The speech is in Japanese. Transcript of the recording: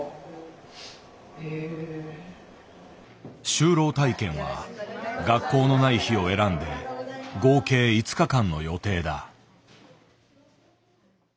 就労体験は学校のない日を選んで合計５日間の予定だ。